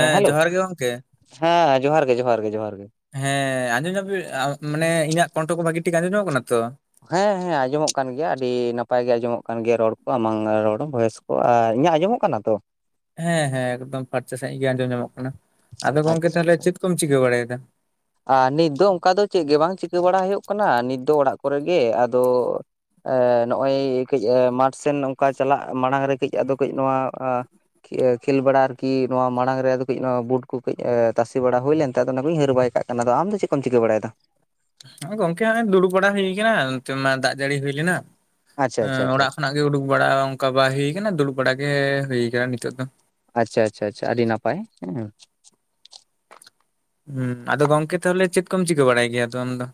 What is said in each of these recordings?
ᱦᱮᱸ ᱦᱮᱞᱳ ᱡᱚᱦᱟᱨ ᱜᱮ ᱜᱚᱝᱠᱮ ᱦᱮᱸ ᱡᱚᱦᱟᱨ ᱜᱮ ᱡᱚᱦᱟᱨ ᱜᱮ ᱡᱚᱦᱟᱨ ᱜᱮ ᱾ ᱦᱮᱸ ᱟᱸᱡᱚᱢ ᱧᱚᱜᱤ ᱢᱟᱱᱮ ᱤᱧᱟᱹᱜ ᱠᱚᱱᱴᱷᱚ ᱠᱚ ᱵᱷᱟᱜᱤ ᱴᱷᱤᱠ ᱟᱸᱡᱚᱢ ᱧᱟᱢᱚᱜ ᱠᱟᱱᱟ ᱛᱚ ᱾ ᱦᱮᱸ ᱦᱮᱸ ᱟᱸᱡᱚᱢᱚᱜ ᱠᱟᱱ ᱜᱮᱭᱟ ᱟᱹᱰᱤ ᱱᱟᱯᱟᱭ ᱜᱮ ᱟᱸᱡᱚᱢᱚᱜ ᱠᱟᱱ ᱜᱮᱭᱟ ᱨᱚᱲ ᱠᱚ ᱟᱢᱟᱝ ᱨᱚᱲ ᱦᱚᱸ ᱵᱷᱚᱭᱮᱥ ᱠᱚ ᱾ ᱚ ᱟᱨ ᱤᱧᱟᱹᱜ ᱟᱸᱡᱚᱢᱚᱜ ᱠᱟᱱᱟ ᱛᱚ ᱾ ᱦᱮᱸ ᱦᱮᱸ ᱮᱠᱫᱚᱢ ᱯᱷᱟᱨᱪᱟ ᱥᱟᱦᱤᱡ ᱜᱮ ᱟᱸᱡᱚᱢ ᱧᱟᱢᱚᱜ ᱠᱟᱱᱟ ᱾ ᱟᱫᱚ ᱜᱚᱝᱠᱮ ᱟᱪᱪᱷᱟ ᱛᱟᱦᱚᱞᱮ ᱟᱪᱪᱷᱟ ᱪᱮᱫ ᱠᱚᱢ ᱪᱤᱠᱟᱹ ᱵᱟᱲᱟᱭᱮᱫᱟ? ᱟᱨ ᱱᱤᱛ ᱫᱚ ᱚᱱᱠᱟ ᱫᱚ ᱪᱮᱫ ᱜᱮ ᱵᱟᱝ ᱪᱤᱠᱟᱹ ᱵᱟᱲᱟᱭ ᱦᱩᱭᱩᱜ ᱠᱟᱱᱟ ᱱᱤᱛ ᱫᱚ ᱚᱲᱟᱜ ᱠᱚᱨᱮᱜ ᱜᱮ, ᱟᱫᱚ ᱟ ᱱᱚᱜᱼᱚᱭ ᱠᱟᱹᱡ ᱢᱟᱴᱷ ᱥᱮᱱ ᱱᱚᱝᱠᱟ ᱪᱟᱞᱟᱜ ᱢᱟᱲᱟᱝ ᱨᱮ ᱠᱟᱹᱡ ᱟᱫᱚ ᱠᱟᱹᱡ ᱱᱚᱣᱟ ᱠᱷᱮᱞ ᱵᱟᱲᱟ ᱟᱨᱠᱤ ᱱᱚᱣᱟ ᱢᱟᱲᱟᱝ ᱨᱮ ᱟᱫᱚ ᱠᱟᱹᱡ ᱱᱚᱣᱟ ᱵᱩᱴ ᱠᱚ ᱠᱟᱹᱡ ᱛᱟᱥᱮ ᱵᱟᱲᱟ ᱦᱩᱭ ᱞᱮᱱᱛᱮ ᱟᱫᱚ ᱚᱱᱟ ᱠᱚᱧ ᱦᱟᱹᱨ ᱵᱟᱭ ᱠᱟᱜ ᱠᱟᱱᱟ᱾ ᱟᱢ ᱫᱚ ᱪᱮᱫ ᱠᱚᱢ ᱪᱤᱠᱟᱹ ᱵᱟᱲᱟᱭᱮᱫᱟ? ᱜᱚᱝᱠᱮ ᱦᱚᱸᱜ-ᱚᱭ ᱫᱩᱲᱩᱵ ᱵᱟᱲᱟ ᱦᱩᱭ ᱠᱟᱱᱟ ᱱᱛᱮ ᱢᱟ ᱫᱟᱜ ᱡᱟᱹᱲᱤ ᱦᱩᱭ ᱞᱮᱱᱟ ᱟᱪᱪᱷᱟ ᱟᱪᱪᱷᱟ ᱟᱪᱪᱷᱟ ᱚᱲᱟᱜ ᱠᱷᱚᱱᱟᱜ ᱩᱰᱩᱠ ᱵᱟᱲᱟ ᱚᱱᱠᱟ ᱵᱟᱭ ᱦᱩᱭ ᱠᱟᱱᱟ ᱫᱩᱲᱩᱵ ᱵᱟᱲᱟ ᱜᱮ ᱦᱩᱭ ᱠᱟᱱᱟ ᱱᱤᱛᱚᱜ ᱫᱚ ᱾ ᱟᱪᱪᱷᱟ ᱟᱪᱪᱷᱟ ᱟᱪᱷᱟ ᱟᱹᱰᱤ ᱱᱟᱯᱟᱭ ᱦᱮᱸ ᱾ ᱦᱩᱸ ᱟᱫᱚ ᱜᱚᱝᱠᱮ ᱛᱟᱦᱚᱞᱮ ᱪᱮᱫ ᱠᱚᱢ ᱪᱤᱠᱟᱹ ᱵᱟᱲᱟᱭ ᱜᱮᱭᱟ ᱟᱫᱚ ᱟᱢ ᱫᱚ?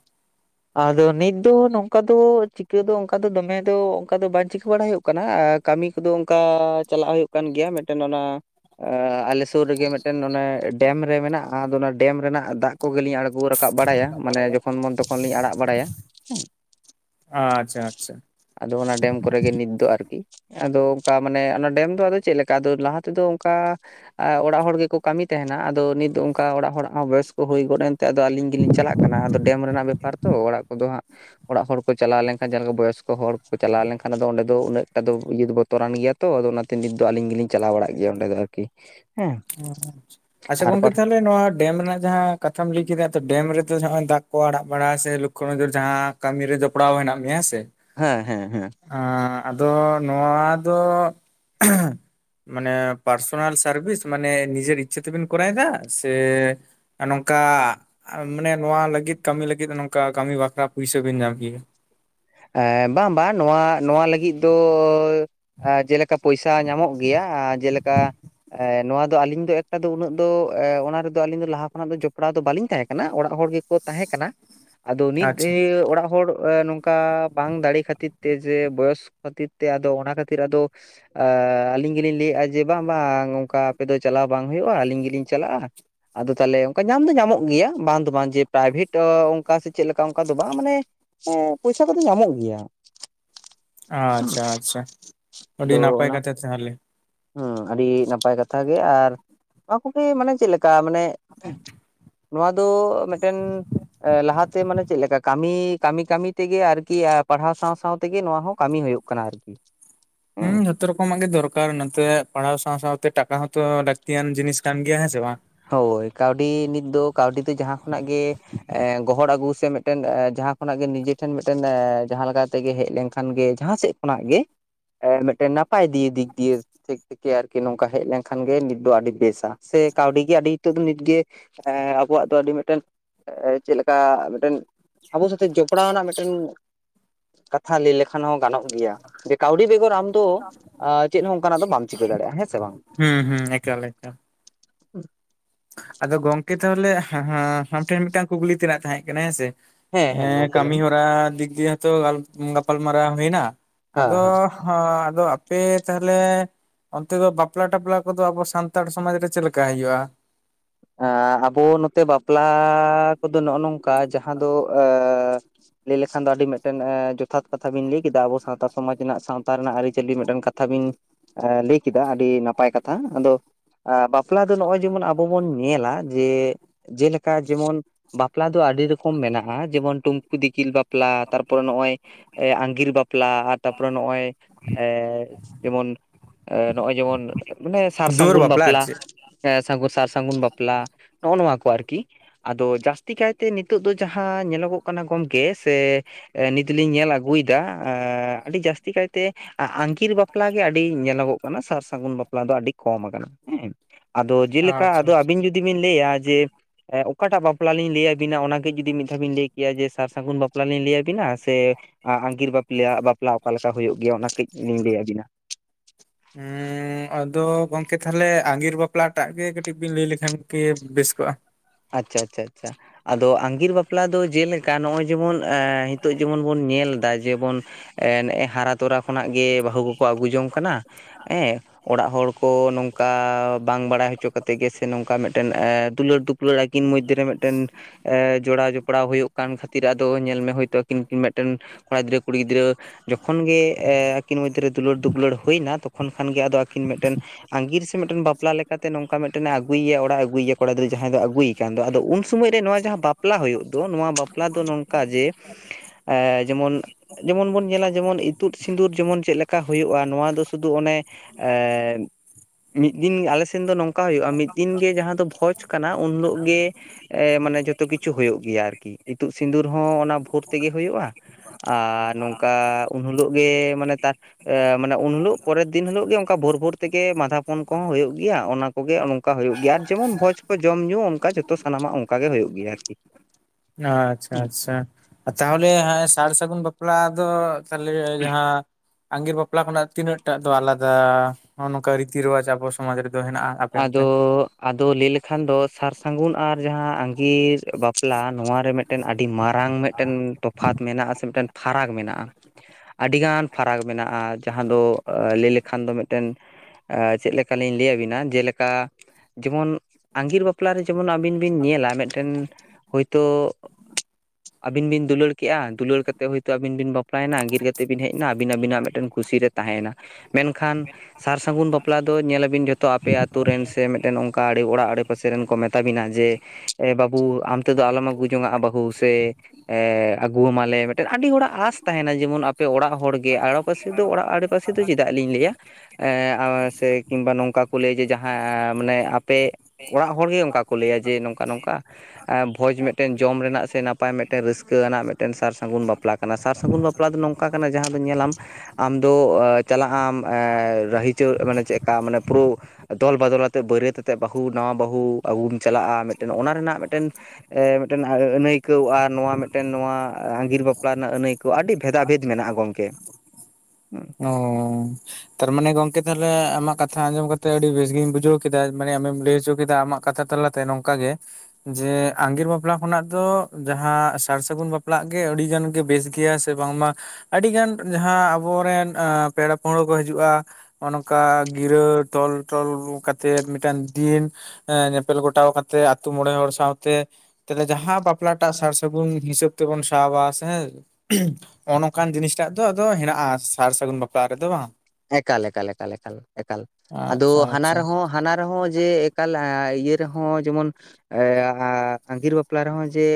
ᱟᱫᱚ ᱱᱤᱛ ᱫᱚ ᱱᱚᱝᱠᱟ ᱫᱚ ᱪᱤᱠᱟᱹ ᱫᱚ ᱚᱱᱠᱟ ᱫᱚᱢᱮ ᱫᱚ ᱚᱱᱠᱟ ᱫᱚ ᱵᱟᱝ ᱪᱤᱠᱟᱹ ᱵᱟᱲᱟᱭ ᱦᱩᱭᱩᱜ ᱠᱟᱱᱟ ᱾ ᱠᱟᱹᱢᱤ ᱠᱚᱫᱚ ᱚᱱᱠᱟ ᱪᱟᱞᱟᱜ ᱦᱩᱭᱩᱜ ᱠᱟᱱ ᱜᱮᱭᱟ ᱢᱤᱫᱴᱮᱱ ᱚᱱᱟ ᱟᱞᱮ ᱥᱩᱨ ᱨᱮᱜᱮ ᱢᱤᱫᱴᱮᱱ ᱚᱱᱮ ᱰᱮᱢ ᱨᱮ ᱢᱮᱱᱟᱜᱼᱟ ᱟᱫᱚ ᱚᱱᱟ ᱰᱮᱢ ᱨᱮᱱᱟᱜ ᱫᱟᱜ ᱠᱚ ᱜᱮ ᱞᱤᱧ ᱟᱬᱜᱚ ᱨᱟ ᱨᱟᱠᱟᱵ ᱵᱟᱲᱟᱭᱟ ᱢᱟᱱᱮ ᱡᱚᱠᱷᱚᱱ ᱢᱚᱱ ᱛᱚᱠᱷᱚᱱ ᱞᱤᱧ ᱟᱲᱟᱜ ᱵᱟᱲᱟᱭᱟ ᱾ ᱟᱪᱪᱷᱟ ᱟᱪᱪᱷᱟ ᱟᱫᱚ ᱚᱱᱟ ᱰᱮᱢ ᱠᱚᱨᱮ ᱜᱮ ᱱᱤᱛ ᱫᱚ ᱟᱨᱠᱤ ᱾ ᱟᱫᱚ ᱚᱱᱠᱟ ᱢᱟᱱᱮ ᱚᱱᱟ ᱟᱫᱚ ᱪᱮᱫ ᱞᱮᱠᱟ ᱟᱫᱚ ᱞᱟᱦᱟ ᱛᱮᱫᱚ ᱚᱱᱠᱟ ᱚᱲᱟᱜ ᱦᱚᱲ ᱜᱮᱠᱚ ᱠᱟᱹᱢᱤ ᱛᱟᱦᱮᱱᱟ ᱟᱫᱚ ᱱᱤᱛ ᱚᱱᱠᱟ ᱚᱲᱟᱜ ᱦᱚᱲᱟᱜ ᱵᱚᱭᱮᱥ ᱠᱚ ᱦᱩᱭ ᱜᱚᱫ ᱮᱱᱛᱮ ᱟᱫᱚ ᱟᱹᱞᱤᱧ ᱜᱮᱞᱤᱧ ᱪᱟᱞᱟᱜ ᱠᱟᱱᱟ ᱟᱫᱚ ᱰᱮᱢ ᱨᱮᱱᱟᱜ ᱵᱮᱯᱟᱨ ᱛᱚ ᱚᱲᱟᱜ ᱠᱚᱫᱚ ᱦᱟᱸᱜ ᱚᱲᱟᱜ ᱦᱚᱲ ᱠᱚ ᱪᱟᱞᱟᱣ ᱞᱮᱱᱠᱷᱟᱱ ᱡᱟᱦᱟᱸ ᱞᱮᱠᱟ ᱵᱚᱭᱚᱥᱠᱚ ᱦᱚᱲ ᱠᱚ ᱪᱟᱞᱟᱣ ᱞᱮᱱᱠᱷᱟᱱ ᱟᱫᱚ ᱚᱱᱰᱮ ᱩᱱᱟᱹᱜ ᱮᱠᱴᱟ ᱫᱚ ᱤᱭᱟᱹ ᱫᱚ ᱵᱚᱛᱚᱨᱟᱱ ᱜᱮᱭᱟ ᱾ ᱛᱚ ᱟᱫᱚ ᱚᱱᱟᱛᱮ ᱱᱤᱛ ᱫᱚ ᱟᱹᱞᱤᱧ ᱜᱮᱞᱤᱧ ᱪᱟᱞᱟᱣ ᱵᱟᱲᱟᱜ ᱜᱮᱭᱟ ᱚᱸᱰᱮ ᱫᱚ ᱟᱨᱠᱤ ᱾ ᱟᱪᱪᱷᱟ ᱜᱚᱝᱠᱮ ᱛᱟᱦᱚᱞᱮ ᱱᱚᱣᱟ ᱰᱮᱢ ᱨᱮᱱᱟᱜ ᱡᱟᱦᱟᱸ ᱠᱟᱛᱷᱟᱢ ᱞᱟᱹᱭ ᱠᱮᱫᱟ ᱛᱚ ᱰᱮᱢ ᱨᱮᱫᱚ ᱱᱚᱜᱼᱚᱭ ᱫᱟᱜ ᱠᱚ ᱟᱲᱟᱜ ᱵᱟᱲᱟ ᱥᱮ ᱞᱚᱠᱠᱷᱚ ᱱᱚᱡᱚᱨ ᱡᱟᱦᱟᱸ ᱠᱟᱹᱢᱤ ᱨᱮ ᱡᱚᱯᱲᱟᱣ ᱦᱮᱱᱟᱜ ᱢᱮᱭᱟ ᱦᱮᱸ ᱥᱮ ᱦᱮᱸ ᱦᱮᱸ ᱦᱮᱸ ᱾ ᱟᱸ ᱟᱫᱚ ᱱᱚᱣᱟ ᱫᱚ ᱢᱟᱱᱮ ᱯᱟᱨᱥᱚᱱᱟᱞ ᱥᱟᱨᱵᱷᱤᱥ ᱢᱟᱱᱮ ᱱᱤᱡᱮᱨ ᱤᱪᱪᱷᱟᱹ ᱛᱮᱵᱮᱱ ᱠᱚᱨᱟᱣ ᱮᱫᱟ ᱥᱮ ᱱᱚᱝᱠᱟ ᱢᱟᱱᱮ ᱱᱚᱣᱟ ᱞᱟᱹᱜᱤᱫ ᱠᱟᱹᱢᱤ ᱞᱟᱹᱜᱤᱫ ᱱᱚᱝᱠᱟ ᱠᱟᱹᱢᱤ ᱵᱟᱠᱷᱨᱟ ᱯᱩᱭᱥᱟᱹ ᱵᱮᱱ ᱧᱟᱢ ᱜᱮᱭᱟ? ᱮ ᱵᱟᱝ ᱵᱟᱝ ᱱᱚᱣᱟ ᱱᱚᱣᱟ ᱞᱟᱹᱜᱤᱫ ᱫᱚ ᱡᱮᱞᱮᱠᱟ ᱯᱚᱭᱥᱟ ᱧᱟᱢᱚᱜ ᱜᱮᱭᱟ ᱡᱮᱞᱮᱠᱟ ᱱᱚᱣᱟ ᱫᱚ ᱟᱞᱤᱧ ᱫᱚ ᱮᱠ ᱱᱮᱛᱟᱨ ᱫᱚ ᱩᱱᱟᱹᱜ ᱫᱚ ᱚᱱᱟ ᱨᱮᱫᱚ ᱟᱹᱞᱤᱧ ᱫᱚ ᱞᱟᱦᱟ ᱠᱷᱚᱱᱟᱜ ᱫᱚ ᱡᱚᱯᱲᱟᱣ ᱫᱚ ᱵᱟᱹᱞᱤᱧ ᱛᱟᱦᱮᱸ ᱠᱟᱱᱟ ᱚᱲᱟᱜ ᱦᱚᱲ ᱜᱮᱠᱚ ᱛᱟᱦᱮᱸ ᱠᱟᱱᱟ ᱾ ᱟᱫᱚ ᱱᱤᱛ ᱟᱪᱪᱷᱟ ᱮ ᱚᱲᱟᱜ ᱦᱚᱲ ᱱᱚᱝ ᱠᱟ ᱵᱟᱝ ᱫᱟᱲᱮ ᱠᱷᱟᱹᱛᱤᱨ ᱛᱮ ᱡᱮ ᱵᱚᱭᱚᱥ ᱠᱷᱟᱹᱛᱤᱨ ᱛᱮ ᱟᱫᱚ ᱚᱱᱟ ᱠᱷᱟᱹᱛᱤᱨ ᱟᱫᱚ ᱟᱹᱞᱤᱧ ᱜᱮᱞᱤᱧ ᱞᱟᱹᱭᱮᱜᱼᱟ ᱡᱮ ᱵᱟᱝ ᱵᱟᱝ ᱚᱱᱠᱟ ᱟᱯᱮ ᱫᱚ ᱪᱟᱞᱟᱣ ᱵᱟᱝ ᱦᱩᱭᱩᱜᱼᱟ ᱟᱹᱞᱤᱧ ᱜᱮᱞᱤᱧ ᱪᱟᱞᱟᱜᱼᱟ ᱾ ᱟᱫᱚ ᱛᱟᱦᱚᱞᱮ ᱚᱱᱠᱟ ᱧᱟᱢ ᱫᱚ ᱧᱟᱢᱚᱜ ᱜᱮᱭᱟ ᱵᱟᱝ ᱫᱚ ᱵᱟᱝ ᱡᱮ ᱯᱨᱟᱭᱵᱷᱮᱴ ᱚᱱᱠᱟ ᱥᱮ ᱪᱮᱫ ᱞᱮᱠᱟ ᱚᱱᱠᱟ ᱫᱚ ᱵᱟᱝ ᱢᱟᱱᱮ ᱦᱮᱸ ᱯᱚᱭᱥᱟ ᱠᱚᱫᱚ ᱧᱟᱢᱚᱜ ᱜᱮᱭᱟ ᱟᱪᱪᱷᱟ ᱟᱪᱪᱷᱟ ᱾ ᱟᱹᱰᱤ ᱟᱫᱚ ᱱᱟᱯᱟᱭ ᱚᱱᱟ ᱠᱟᱛᱷᱟ ᱛᱟᱦᱚᱞᱮ ᱦᱮᱸ ᱟᱹᱰᱤ ᱱᱟᱯᱟᱭ ᱠᱟᱛᱷᱟ ᱜᱮ ᱟᱨ ᱱᱚᱣᱟ ᱠᱚᱜᱮ ᱢᱟᱱᱮ ᱪᱮᱫ ᱞᱮᱠᱟ ᱢᱟᱱᱮ ᱱᱚᱣᱟ ᱫᱚ ᱢᱤᱫᱴᱮᱱ ᱞᱟᱦᱟᱛᱮ ᱢᱟᱱᱮ ᱪᱮᱫ ᱞᱮᱠᱟ ᱠᱟᱹᱢᱤ ᱠᱟᱹᱢᱤ ᱠᱟᱹᱢᱤ ᱛᱮᱜᱮ ᱟᱨᱠᱤ ᱯᱟᱲᱦᱟᱣ ᱥᱟᱶ ᱥᱟᱶ ᱛᱮᱜᱮ ᱱᱚᱣᱟ ᱦᱚᱸ ᱠᱟᱹᱢᱤ ᱦᱩᱭᱩᱜ ᱠᱟᱱᱟ ᱟᱨᱠᱤ ᱾ ᱦᱩᱸ ᱡᱚᱛᱚ ᱨᱚᱠᱚᱢᱟᱜ ᱜᱮ ᱫᱚᱨᱠᱟᱨ ᱱᱚᱛᱮ ᱯᱟᱲᱦᱟᱣ ᱥᱟᱶ ᱥᱟᱶᱛᱮ ᱴᱟᱠᱟ ᱦᱚᱸᱛᱚ ᱞᱟᱹᱠᱛᱤᱭᱟᱱ ᱡᱤᱱᱤᱥ ᱠᱟᱱ ᱜᱮᱭᱟ ᱦᱮᱸ ᱥᱮ ᱵᱟᱝ? ᱦᱳᱭ ᱠᱟᱹᱣᱰᱤ ᱱᱤᱛ ᱫᱚ ᱠᱟᱹᱣᱰᱤ ᱫᱚ ᱡᱟᱦᱟᱸ ᱠᱷᱚᱱᱟᱜ ᱜᱮ ᱜᱚᱦᱚᱲ ᱟᱜᱩ ᱥᱮ ᱢᱤᱫᱴᱮᱱ ᱡᱟᱦᱟᱸ ᱠᱷᱚᱱᱟᱜ ᱜᱮ ᱱᱤᱡᱮ ᱴᱷᱮᱱ ᱢᱤᱫᱴᱮᱱ ᱡᱟᱦᱟᱸ ᱛᱮᱜᱮ ᱦᱮᱡ ᱞᱮᱱᱠᱷᱟᱱ ᱜᱮ ᱡᱟᱦᱟᱸᱥᱮᱫ ᱚᱱᱟ ᱜᱮ ᱢᱤᱫᱴᱮᱱ ᱱᱟᱯᱟᱭ ᱫᱤᱭᱮ ᱫᱤᱠ ᱫᱤᱭᱮ ᱴᱷᱤᱠ ᱛᱷᱮᱠᱮ ᱟᱨᱠᱤ ᱱᱚᱝᱠᱟ ᱦᱮᱡ ᱞᱮᱱᱠᱷᱟᱱ ᱜᱮ ᱱᱤᱛ ᱫᱚ ᱟᱹᱰᱤ ᱵᱮᱥᱟ ᱥᱮ ᱠᱟᱹᱣᱰᱤ ᱜᱮ ᱟᱹᱰᱤ ᱱᱤᱛᱚᱜ ᱫᱚ ᱱᱤᱛᱜᱮ ᱮ ᱟᱵᱚᱣᱟᱜ ᱫᱚ ᱟᱹᱰᱤ ᱢᱤᱫᱴᱮᱱ ᱪᱮᱫ ᱞᱮᱠᱟ ᱢᱤᱫᱴᱮᱱ ᱟᱵᱚ ᱥᱟᱛᱮ ᱡᱚᱯᱲᱟᱣ ᱨᱮᱱᱟᱜ ᱢᱤᱫᱴᱮᱱ ᱠᱟᱛᱷᱟ ᱞᱟᱹᱭ ᱞᱮᱠᱷᱟᱱ ᱦᱚᱸ ᱜᱟᱱᱚᱜ ᱜᱮᱭᱟ ᱡᱮ ᱠᱟᱹᱣᱰᱤ ᱵᱮᱜᱚᱨ ᱟᱢ ᱫᱚ ᱪᱮᱫ ᱦᱚᱸ ᱚᱱᱠᱟᱱᱟᱜ ᱫᱚ ᱵᱟᱢ ᱪᱤᱠᱟᱹ ᱫᱟᱲᱮᱭᱟᱜᱼᱟ ᱦᱮᱸ ᱥᱮ ᱵᱟᱝ? ᱦᱩᱸ ᱦᱩᱸ ᱮᱠᱟᱞ ᱮᱠᱟᱞ [unintelligible] ᱟᱫᱚ ᱜᱚᱢᱠᱮ ᱛᱟᱦᱚᱞᱮ ᱦᱮᱸ ᱦᱮᱸ ᱟᱢ ᱴᱷᱮᱱ ᱢᱤᱫᱴᱟᱝ ᱠᱩᱠᱞᱤ ᱛᱮᱱᱟᱜ ᱛᱟᱦᱮᱸ ᱠᱟᱱᱟ ᱦᱮᱸᱥᱮ ᱦᱮᱸ ᱮ ᱦᱮᱸ ᱜᱚᱝᱠᱮ ᱞᱟᱹᱭ ᱠᱟᱹᱢᱤ ᱢᱮ ᱦᱚᱨᱟ ᱫᱤᱠ ᱫᱤᱭᱮ ᱛᱚ ᱜᱟᱯᱟᱞᱢᱟᱨᱟᱣ ᱦᱩᱭ ᱮᱱᱟ ᱦᱮᱸ ᱟᱫᱚ ᱦᱮᱸ ᱟᱫᱚ ᱟᱯᱮ ᱛᱟᱦᱞᱮ ᱚᱱᱛᱮ ᱫᱚ ᱵᱟᱯᱞᱟᱼ ᱴᱟᱯᱞᱟ ᱠᱚᱫᱚ ᱟᱵᱚ ᱥᱟᱱᱛᱟᱲ ᱥᱚᱢᱟᱡᱽ ᱨᱮ ᱪᱮᱫ ᱞᱮᱠᱟ ᱦᱩᱭᱩᱜᱼᱟ? ᱟᱵᱚ ᱱᱚᱛᱮ ᱵᱟᱯᱞᱟ ᱠᱚᱫᱚ ᱱᱚᱜᱼᱚ ᱱᱚᱝᱠᱟ ᱡᱟᱦᱟᱸ ᱫᱚ ᱞᱟᱹᱭ ᱞᱮᱠᱷᱟᱱ ᱫᱚ ᱟᱹᱰᱤ ᱢᱤᱫᱴᱮᱱ ᱡᱚᱛᱷᱟᱛ ᱠᱟᱛᱷᱟ ᱵᱤᱱ ᱞᱟᱹᱭ ᱠᱮᱫᱟ ᱟᱵᱚ ᱥᱟᱶᱛᱟ ᱥᱚᱢᱟᱡᱽ ᱨᱮᱱᱟᱜ ᱥᱟᱶᱛᱟ ᱨᱮᱱᱟᱜ ᱟᱹᱨᱤᱪᱟᱹᱞᱤ ᱢᱤᱫᱴᱮᱱ ᱠᱟᱛᱷᱟ ᱠᱟᱛᱷᱟ ᱵᱤᱱ ᱞᱟᱹᱭ ᱠᱮᱫᱟ ᱟᱹᱰᱤ ᱱᱟᱯᱟᱭ ᱠᱟᱛᱷᱟ ᱟᱫᱚ ᱵᱟᱯᱞᱟ ᱫᱚ ᱱᱚᱜᱼᱚᱭ ᱡᱮᱢᱚᱱ ᱵᱚᱱ ᱧᱮᱞᱟ ᱡᱮᱻ ᱡᱮᱞᱮᱠᱟ ᱡᱮᱢᱚᱱ ᱵᱟᱯᱞᱟ ᱫᱚ ᱟᱹᱰᱤ ᱨᱚᱠᱚᱢ ᱢᱮᱱᱟᱜᱼᱟ ᱡᱮᱢᱚᱱ ᱴᱩᱢᱠᱤ ᱫᱤᱯᱤᱞ ᱵᱟᱯᱞᱟ, ᱵᱟᱯᱞᱟ ᱛᱟᱨᱯᱚᱨᱮ ᱱᱚᱜᱼᱚᱭ ᱟᱸᱜᱤᱨ ᱵᱟᱯᱞᱟ, ᱛᱟᱯᱚᱨᱮ ᱱᱚᱜᱼᱚᱭ ᱮ ᱡᱮᱢᱚᱱ ᱱᱚᱜᱼᱚᱭ ᱡᱮᱢᱚᱱ ᱢᱟᱱᱮ ᱥᱟᱨ ᱫᱩᱣᱟᱹᱨ ᱥᱟᱹᱜᱩᱱ ᱵᱟᱯᱞᱟ ᱟᱨ ᱵᱟᱯᱞᱟᱹᱜ ᱪᱮᱫ ᱥᱟᱨ ᱥᱟᱜᱩᱱ ᱥᱟᱹᱜᱩᱱ ᱵᱟᱯᱞᱟ ᱱᱚᱜᱼᱚ ᱱᱚᱣᱟ ᱠᱚ ᱟᱨᱠᱤ ᱟᱫᱚ ᱡᱟᱹᱥᱛᱤ ᱠᱟᱭᱛᱮ ᱱᱤᱛᱚᱜ ᱫᱚ ᱡᱟᱦᱟᱸ ᱧᱮᱞᱚᱜᱚᱜ ᱠᱟᱱᱟ ᱜᱚᱢᱠᱮ ᱥᱮ ᱱᱤᱛᱞᱤᱧ ᱧᱮᱞ ᱟᱹᱜᱩᱭᱮᱫᱟ ᱮ ᱟᱹᱰᱤ ᱡᱟᱹᱥᱛᱤ ᱠᱟᱭᱛᱮ ᱟᱸᱜᱤᱨ ᱵᱟᱯᱞᱟ ᱜᱮ ᱟᱹᱰᱤ ᱧᱮᱞᱚᱜᱚᱜ ᱠᱟᱱᱟ ᱥᱟᱨ ᱥᱟᱹᱜᱩᱱ ᱵᱟᱯᱞᱟ ᱫᱚ ᱟᱹᱰᱤ ᱠᱚᱢ ᱟᱠᱟᱱᱟ ᱦᱮᱸ ᱟᱫᱚ ᱡᱮᱞᱮᱠᱟ ᱟᱪᱪᱷᱟ ᱟᱫᱚ ᱟᱪᱪᱷᱟ ᱟᱹᱵᱤᱱ ᱡᱩᱚᱫᱤ ᱵᱤᱱ ᱞᱟᱹᱭᱟ ᱡᱮ ᱚᱠᱟᱴᱟᱜ ᱵᱟᱯᱞᱟ ᱞᱤᱧ ᱞᱟᱹᱭᱟᱵᱤᱱᱟ ᱚᱱᱟᱜᱮ ᱡᱩᱫᱤ ᱢᱤᱫ ᱫᱷᱟᱣ ᱵᱤᱱ ᱞᱟᱹᱭ ᱠᱮᱭᱟ ᱡᱮ ᱥᱟᱨ ᱥᱟᱹᱜᱩᱱ ᱵᱟᱯᱞᱟ ᱞᱤᱧ ᱞᱟᱹᱭᱟᱵᱤᱱᱟ ᱥᱮ, ᱟᱸᱜᱤᱨ ᱵᱟᱯᱞᱟᱜ ᱵᱟᱯᱞᱟ ᱚᱠᱟᱮᱠᱟ ᱦᱩᱭᱩᱜ ᱜᱮᱭᱟ ᱚᱱᱟ ᱠᱟᱹᱡ ᱞᱤᱧ ᱞᱟᱹ ᱟᱹᱵᱤᱱᱟ? ᱦᱩᱸ ᱟᱫᱚ ᱜᱚᱢᱠᱮ ᱛᱟᱦᱚᱞᱮ ᱟᱸᱜᱤᱨ ᱵᱟᱯᱞᱟ ᱴᱟᱜ ᱜᱮ ᱠᱟᱹᱴᱤᱡ ᱵᱤᱱ ᱞᱟᱹᱭ ᱞᱮᱠᱷᱟᱱ ᱜᱮ ᱵᱮᱥ ᱠᱚᱜᱼᱟ ᱾ ᱟᱪᱪᱷᱟ ᱟᱪᱷᱟ ᱟᱪᱪᱷᱟ ᱟᱫᱚ ᱟᱸᱜᱤᱨ ᱵᱟᱯᱞᱟ ᱫᱚ ᱡᱮᱞᱮᱠᱟ ᱱᱚᱜᱼᱚᱭ ᱡᱮᱢᱚᱱ ᱱᱤᱛᱚᱜ ᱡᱮᱢᱚᱱ ᱵᱚᱱ ᱧᱮᱞᱫᱟ ᱡᱮᱢᱚᱱ ᱮᱜᱼ ᱦᱟᱨᱟ ᱛᱚᱨᱟ ᱠᱷᱚᱱᱟᱜ ᱜᱮ ᱵᱟᱹᱦᱩ ᱠᱚᱠᱚ ᱟᱹᱜᱩ ᱡᱚᱝ ᱠᱟᱱᱟ ᱦᱮᱸ ᱚᱲᱟᱜ ᱦᱚᱲ ᱠᱚ ᱱᱚᱝᱠᱟ ᱵᱟᱝ ᱵᱟᱲᱟᱭ ᱦᱚᱪᱚ ᱠᱟ ᱠᱟᱛᱮᱫ ᱜᱮ ᱥᱮ ᱱᱚᱝᱠᱟ ᱢᱤᱫᱴᱮᱱ ᱫᱩᱞᱟᱹᱲᱼᱫᱩᱯᱩᱞᱟᱹᱲ ᱟᱭ ᱛᱤᱠᱤᱱ ᱢᱚᱫᱽᱫᱷᱮ ᱨᱮ ᱢᱤᱫᱴᱮᱱ ᱮᱜ ᱡᱚᱲᱟᱣ ᱡᱚᱯᱲᱟᱣ ᱦᱩᱭᱩᱜ ᱠᱟᱱ ᱠᱷᱟᱹᱛᱤᱨ ᱟᱫᱚ ᱧᱮᱞ ᱢᱮ ᱦᱳᱭᱛᱳ ᱢᱤᱫᱴᱮᱱ ᱠᱚᱲᱟ ᱜᱤᱫᱽᱨᱟᱹ ᱠᱩᱲᱤ ᱜᱤᱫᱽᱨᱟᱹ ᱡᱚᱠᱷᱚᱱ ᱜᱮ ᱟᱹᱠᱤᱱ ᱢᱚᱫᱽᱫᱷᱮ ᱨᱮ ᱫᱩᱞᱟᱹᱲ ᱫᱩᱯᱩᱞᱟᱹᱲ ᱦᱩᱭᱱᱟ ᱛᱚᱠᱷᱚᱱ ᱠᱷᱟᱱ ᱜᱮ ᱟᱫᱚ ᱟᱹᱤᱱ ᱢᱤᱫᱴᱮᱱ ᱟᱝᱜᱤᱨ ᱥᱮ ᱢᱤᱫᱴᱮᱱ ᱵᱟᱯᱞᱟ ᱞᱮᱠᱟᱛᱮ ᱱᱚᱝᱠᱟ ᱢᱤᱫ ᱮ ᱟᱹᱜᱩᱭᱮᱭᱟ ᱚᱲᱟᱜ ᱟᱹᱜᱩᱭᱮᱭᱟ ᱠᱚᱲᱟ ᱡᱟᱦᱟᱸᱭ ᱫᱚ ᱟᱹᱩ ᱟᱹᱜᱩᱭ ᱟᱠᱟᱱ ᱫᱚ ᱟᱫᱚ ᱩᱱ ᱥᱚᱢᱚᱭ ᱨᱮ ᱱᱚᱣᱟ ᱡᱟᱦᱟᱸ ᱵᱟᱯᱞᱟ ᱦᱩᱭᱩᱜ ᱫᱚ ᱱᱚᱣᱟ ᱵᱟᱯᱞᱟ ᱫᱚ ᱱᱚᱝᱠᱟ ᱡᱮ ᱡᱮᱢᱚᱱ ᱡᱮᱢᱚᱱ ᱵᱚᱱ ᱧᱮᱞᱟ ᱡᱮᱢᱚᱱ ᱤᱛᱩᱫ ᱥᱤᱸᱫᱩᱨ ᱡᱮᱢᱚᱱ ᱪᱮᱫᱞᱮᱠᱟ ᱦᱩᱭᱩᱜ-ᱟ, ᱱᱚᱣᱟ ᱫᱚ ᱥᱩᱫᱩ ᱚᱱᱮ ᱢᱤᱫ ᱫᱤᱱ ᱟᱞᱮ ᱥᱮᱱ ᱫᱚ ᱱᱚᱝᱠᱟ ᱦᱳᱭᱳᱜ-ᱟ ᱢᱤᱫ ᱫᱤᱱᱜᱮ ᱡᱟᱦᱟᱸ ᱫᱚ ᱵᱷᱚᱡᱽ ᱠᱟᱱᱟ, ᱩᱱ ᱦᱤᱞᱳᱜ ᱜᱮ ᱮ ᱢᱟᱱᱮ ᱡᱚᱛᱚ ᱠᱤᱪᱷᱩ ᱦᱩᱭᱩᱜ ᱜᱮᱭᱟ ᱟᱨᱠᱤ ᱤᱛᱩᱫ ᱥᱤᱸᱫᱩᱨ ᱦᱚᱸ ᱚᱱᱟ ᱵᱷᱳᱨ ᱛᱮᱜᱮ ᱦᱩᱭᱩᱜ-ᱟ᱾ ᱟᱨ ᱱᱚᱝᱠᱟ ᱩᱱ ᱦᱤᱞᱳᱜ ᱜᱮ ᱢᱟᱱᱮ ᱛᱟᱨ ᱮ ᱢᱟᱱᱮ ᱩᱱ ᱦᱤᱞᱳᱜ ᱯᱚᱨᱮᱨ ᱫᱤᱱ ᱦᱤᱞᱳᱜ ᱜᱮ ᱚᱱᱠᱟ ᱵᱷᱳᱨ ᱵᱷᱳᱨ ᱛᱮᱜᱮ ᱢᱟᱫᱷᱟᱯᱚᱱ ᱠᱚᱦᱚᱸ ᱦᱩᱭᱩᱜ ᱜᱮᱭᱟ, ᱚᱱᱟ ᱠᱚᱜᱮ ᱚᱱᱠᱟ ᱦᱩᱭᱩᱜ ᱜᱮᱭᱟ ᱟᱨ ᱡᱮᱢᱚᱱ ᱵᱷᱚᱡᱽ ᱠᱚ ᱡᱚᱢ ᱧᱩ ᱚᱱᱠᱟ ᱡᱚᱛᱚ ᱥᱟᱱᱟᱢᱟᱜ ᱚᱱᱠᱟ᱾ ᱜᱮ ᱦᱩᱭᱩᱜ ᱜᱮᱭᱟ ᱟᱨᱠᱤ ᱟᱪᱪᱷᱟ ᱟᱪᱪᱷᱟ᱾ ᱟᱨ ᱛᱟᱦᱚᱞᱮ ᱥᱟᱨ ᱥᱟᱹᱜᱩᱱ ᱵᱟᱯᱞᱟ ᱫᱚ ᱛᱟᱦᱚᱞᱮ ᱡᱟᱦᱟᱸ ᱟᱸᱜᱤᱨ ᱵᱟᱯᱞᱟ ᱠᱷᱚᱱᱟᱜ ᱛᱤᱱᱟᱹᱜ ᱴᱟᱜ ᱫᱚ ᱟᱞᱟᱫᱟ ᱱᱚᱜ-ᱚ ᱱᱚᱝᱠᱟ ᱨᱤᱛᱤ ᱨᱮᱣᱟᱡᱽ ᱟᱵᱚ ᱥᱚᱢᱟᱡᱽ ᱨᱮᱫᱚ ᱦᱮᱱᱟᱜ-ᱟ᱾ ᱟᱫᱚ ᱟᱫᱚ ᱞᱟᱹᱭ ᱞᱮᱠᱷᱟᱱ ᱫᱚ ᱥᱟᱨ ᱥᱟᱹᱜᱩᱱ ᱟᱨ ᱡᱟᱦᱟᱸ ᱟᱸᱜᱤᱨ ᱵᱟᱯᱞᱟ ᱱᱚᱣᱟ ᱨᱮ ᱢᱮᱱ ᱴᱮᱱ ᱟᱹᱰᱤ ᱢᱟᱨᱟᱝ ᱢᱤᱫᱴᱮᱱ ᱛᱚᱯᱷᱟᱛ ᱢᱮᱱᱟᱜ-ᱟ ᱥᱮ ᱯᱷᱟᱨᱟᱠ ᱢᱮᱱᱟᱜ-ᱟ᱾ ᱟᱹᱰᱤᱜᱟᱱ ᱯᱷᱟᱨᱟᱠ ᱢᱮᱱᱟᱜᱼᱟ ᱡᱟᱦᱟᱸ ᱫᱚ ᱞᱟᱹᱭ ᱞᱮᱠᱷᱟᱱ ᱫᱚ ᱢᱤᱫᱴᱮᱱ᱾ ᱪᱮᱫ ᱞᱮᱠᱟᱞᱤᱧ ᱞᱟᱹᱭ ᱟᱹᱵᱤᱱᱟ, ᱡᱮᱞᱮᱠᱟ ᱡᱮᱢᱚᱱ ᱟᱜᱤᱨ ᱵᱟᱯᱞᱟᱨᱮ ᱡᱮᱢᱚᱱ ᱟᱹᱵᱤᱱ ᱵᱤᱱ ᱧᱮᱞᱟ ᱢᱤᱫᱴᱮᱱ ᱦᱳᱭᱛᱳ ᱟᱹᱵᱤᱱ ᱵᱤᱱ ᱫᱩᱞᱟᱹᱲ ᱠᱮᱜᱼᱟ ᱫᱩᱞᱟᱹᱲ ᱠᱟᱛᱮ ᱦᱳᱭᱛᱳ ᱟᱹᱵᱤᱱ ᱵᱤᱱ ᱵᱟᱯᱞᱟᱭᱮᱱᱟ ᱟᱹᱜᱤᱨ ᱠᱟᱛᱮᱫ ᱵᱤᱱ ᱦᱮᱡ ᱮᱱᱟ ᱟᱹᱵᱤᱱ ᱟᱹᱵᱤᱱᱟᱜ ᱢᱤᱫᱴᱮᱱ ᱠᱩᱥᱤ ᱨᱮ ᱛᱟᱦᱮᱭᱮᱱᱟ, ᱢᱮᱱᱠᱷᱟᱱ ᱥᱟᱨ ᱥᱟᱹᱜᱩᱱ ᱵᱟᱯᱞᱟ ᱫᱚ ᱧᱮᱞᱟᱵᱤᱱ ᱡᱚᱛᱚ ᱟᱯᱮᱭᱟᱜ ᱟᱛᱳ ᱨᱮᱱ ᱥᱮ ᱢᱤᱫᱴᱮᱱ ᱚᱱᱠᱟ ᱚᱲᱟᱜ ᱟᱲᱮ ᱯᱟᱥᱮᱨᱮᱱ ᱠᱚ ᱢᱮᱛᱟ ᱵᱤᱱᱟ, ᱡᱮ ᱮ ᱵᱟᱹᱵᱩ ᱟᱢᱛᱮᱫᱚ ᱟᱞᱚᱢ ᱟᱹᱜᱩ ᱡᱚᱱᱟᱜᱼᱟ ᱵᱟᱹᱦᱩ ᱥᱮ ᱟᱹᱜᱩᱣᱟᱢᱟᱞᱮ ᱢᱤᱫᱴᱮᱱ ᱟᱹᱰᱤ ᱦᱚᱲᱟᱜ ᱟᱥ ᱛᱟᱦᱮᱱᱟ ᱡᱮᱢᱚᱱ ᱟᱯᱮ ᱚᱲᱟᱜ ᱦᱚᱲᱜᱮ ᱟᱨᱚ ᱯᱟᱥᱮ ᱫᱚ ᱚᱲᱟᱜ ᱟᱲᱮ ᱯᱟᱥᱮ ᱫᱚ ᱪᱮᱫᱟᱜ ᱞᱤᱧ ᱞᱟᱹᱭᱟ ᱚ ᱮ ᱥᱮ ᱠᱤᱝᱵᱟ ᱱᱚᱝᱠᱟ ᱠᱚ ᱞᱟᱹᱭᱟ ᱡᱮ ᱡᱟᱦᱟ ᱢᱟᱱᱮ ᱟᱯᱮ ᱚᱲᱟᱜ ᱦᱚᱲᱜᱮ ᱚᱱᱠᱟ ᱠᱚ ᱞᱟᱹᱭᱟ ᱡᱮ ᱱᱚᱝᱠᱟ ᱱᱚᱝᱠᱟ ᱵᱷᱚᱡᱽ ᱢᱮᱱᱴᱮᱱ ᱡᱚᱢ ᱨᱮᱱᱟᱜ ᱥᱮ ᱱᱟᱯᱟᱭ ᱢᱮᱱᱴᱮᱱ ᱨᱟᱹᱥᱠᱟᱹ ᱟᱱᱟᱜ ᱢᱮᱱᱴᱮᱱ ᱥᱟᱨ ᱥᱟᱜᱩᱱ ᱵᱟᱯᱞᱟ ᱠᱟᱱᱟ, ᱥᱟᱨ ᱥᱟᱜᱩᱱ ᱵᱟᱯ ᱞᱟ ᱫᱚ ᱱᱚᱝᱠᱟ ᱠᱟᱱᱟ ᱡᱟᱦᱟᱸ ᱫᱚ ᱧᱮᱞᱟᱢ ᱟᱢᱫᱚ ᱪᱟᱞᱟᱜ ᱟᱢ ᱮ ᱨᱟᱹᱦᱤ ᱪᱟᱹ ᱢᱟᱱᱮ ᱪᱮᱠᱠᱟ ᱢᱟᱱᱮ ᱯᱩᱨᱟᱹ ᱫᱚᱞ ᱵᱟᱫᱚᱞ ᱟᱛᱮᱫ ᱵᱟᱹᱨᱭᱟᱹᱛᱮᱫ ᱵᱟᱹᱦᱩ ᱱᱟᱣᱟ ᱵᱟᱹᱦᱩ ᱟᱹᱜᱩᱚᱢ ᱪᱟᱞᱟᱜᱼᱟ ᱢᱤᱫᱴᱮᱱ ᱚᱱᱟ ᱨᱮᱱᱟᱜ ᱢᱤᱫᱴᱮᱱ ᱢᱤᱱᱴᱮᱱ ᱟᱹᱱᱟᱭᱠᱟᱹᱣ ᱟᱨ ᱱᱚᱣᱟ ᱢᱤᱱᱴᱮᱱ ᱱᱚᱣᱟ ᱟᱸᱜᱤᱨ ᱵᱟᱯᱞᱟ ᱨᱮᱱᱟᱜ ᱟᱹᱱᱟᱹᱭ ᱠᱟᱹᱣ ᱟᱹᱰᱤ ᱵᱷᱮᱫᱟ ᱵᱷᱮᱫ ᱢᱮᱱᱟᱜᱼᱟ ᱜᱚᱝᱠᱮ᱾ ᱚ᱾ ᱛᱟᱨᱢᱟᱱᱮ ᱜᱚᱝᱠᱮ ᱛᱟᱦᱚᱞᱮ ᱟᱢᱟᱜ ᱠᱟᱛᱷᱟ ᱟᱸᱡᱚᱢ ᱠᱟᱛᱮᱜ ᱟᱹᱰᱤ ᱵᱮᱥᱜᱤᱧ ᱵᱩᱡᱷᱟᱹᱣ ᱠᱮᱫᱟ ᱢᱟᱱᱮ ᱟᱢᱮᱢ ᱞᱟᱹᱭ ᱦᱚᱪᱚ ᱠᱮᱫᱟ ᱟᱢᱟᱜ ᱠᱟᱛᱷᱟ ᱛᱟᱞᱟᱛᱮ ᱱᱚᱝᱠᱟ ᱜᱮ ᱡᱮ ᱟᱸᱜᱤᱨ ᱵᱟᱯᱞᱟ ᱠᱷᱚᱱᱟᱜ ᱫᱚ ᱡᱟᱦᱟᱸ ᱥᱟᱨ ᱥᱟᱹᱜᱩᱱ ᱵᱟᱯᱞᱟᱜ ᱜᱮ ᱟᱹᱰᱤ ᱜᱟᱱ ᱜᱮ ᱵᱮᱥ ᱜᱮᱭᱟ, ᱥᱮ ᱵᱟᱝᱢᱟ ᱟᱹᱰᱤᱜᱟᱱ ᱡᱟᱦᱟᱸ ᱟᱵᱚᱨᱮᱱ ᱯᱮᱲᱟ ᱯᱟᱹᱲᱦᱟᱹ ᱠᱚ ᱦᱤᱡᱩᱜᱼᱟ᱾ ᱚᱱ ᱚᱱᱠᱟ ᱜᱤᱨᱟᱹ ᱛᱚᱞ ᱛᱚᱞ ᱠᱟᱛᱮᱫ ᱢᱤᱫᱴᱟᱝ ᱫᱤᱱ ᱦᱮᱸ, ᱧᱮᱯᱮᱞ ᱜᱚᱴᱟᱣ ᱠᱟᱛᱮ ᱟᱛᱳ ᱢᱚᱬᱮ ᱦᱚᱲ ᱥᱟᱶᱛᱮ ᱛᱟᱦᱞᱮ ᱡᱟᱦᱟᱸ ᱵᱟᱯᱞᱟ ᱴᱟᱜ ᱥᱟᱨ ᱥᱟᱹᱜᱩᱱ ᱦᱤᱥᱟᱹᱵ ᱛᱮᱵᱚᱱ ᱥᱟᱟᱦᱵᱟ ᱥᱮ ᱾ ᱦᱚᱸᱜᱼᱚ ᱱᱚᱝᱠᱟᱱ ᱡᱤᱱᱤᱥᱴᱟᱜ ᱫᱚ ᱟᱫᱚ ᱦᱮᱱᱟᱜᱼᱟ ᱥᱟᱨ ᱥᱟᱹᱜᱩᱱ ᱵᱟᱯᱞᱟ ᱨᱮᱫᱚ ᱵᱟᱝ? ᱮᱠᱟᱞ ᱮᱠᱟᱞ ᱮᱠᱟᱞ ᱮᱠᱟᱞ ᱟᱫᱚ ᱟᱪᱪᱷᱟ ᱦᱟᱱᱟ ᱟᱪᱪᱷᱟ ᱨᱮᱦᱚᱸ ᱦᱟᱱᱟ ᱨᱮᱦᱚᱸ ᱡᱮ ᱮᱠᱟᱞ ᱤᱭᱟᱹ ᱨᱮᱦᱚᱸ ᱡᱮᱢᱚᱱ ᱮ ᱟᱜᱤᱨ ᱵᱟᱯᱞᱟ ᱨᱮᱦᱚᱸ ᱡᱮ